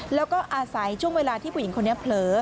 แล้วก็อาศัยช่วงเวลาที่ผู้หญิงคนนี้เผลอ